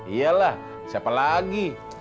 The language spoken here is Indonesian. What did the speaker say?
iya lah siapa lagi